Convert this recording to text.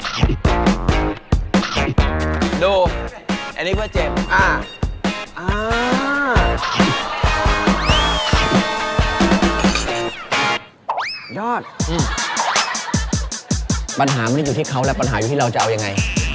กูดูแอนนี้ก็เจ็บอ่าอ่ายอดปัญหามันอยู่ที่เขาแล้วปัญหาอยู่ที่เราจะเอายังไง